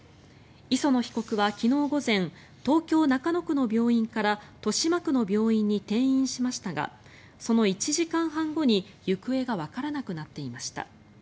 磯野被告は昨日午前東京・中野区の病院から豊島区の病院に転院しましたがその１時間半後に、行方がわからなくなっていました。